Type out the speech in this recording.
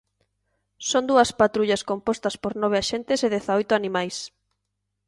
Son dúas patrullas compostas por nove axentes e dezaoito animais.